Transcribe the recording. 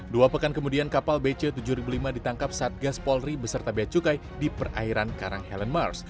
dua pekan kemudian kapal bc tujuh ribu lima ditangkap saat gas polri beserta becukai di perairan karang helen mars